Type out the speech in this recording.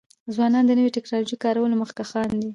ځوانان د نوې ټکنالوژۍ د کارولو مخکښان دي.